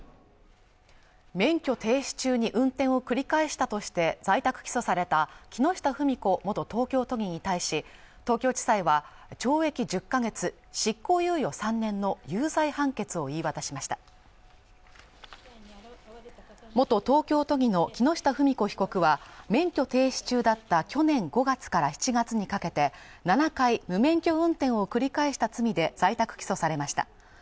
免許停止中に運転を繰り返したとして在宅起訴された木下富美子元東京都議に対し東京地裁は懲役１０か月執行猶予３年の有罪判決を言い渡しました元東京都議の木下富美子被告は免許停止中だった去年５月から７月にかけて７回無免許運転を繰り返した罪で在宅起訴されました